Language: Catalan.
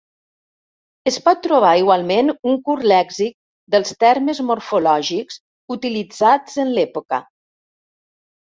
Es pot trobar igualment un curt lèxic dels termes morfològics utilitzats en l'època.